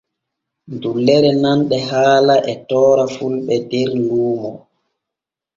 Dullere nanɗe haala e toora fulɓe der luuno.